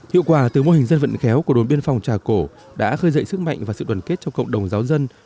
hiệu quả từ mô hình dân vận khéo của đồn biên phòng trà cổ đã khơi dậy sức mạnh và sự đoàn kết trong cộng đồng giáo dân